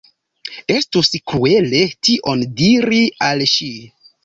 Estus kruele tion diri al ŝi.